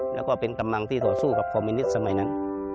แล้วก็เป็นกำลังที่ต่อสู้กับคอมมิวนิตสมัยนั้น